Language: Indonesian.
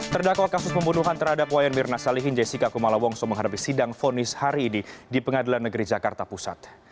terdakwa kasus pembunuhan terhadap wayan mirna salihin jessica kumala wongso menghadapi sidang fonis hari ini di pengadilan negeri jakarta pusat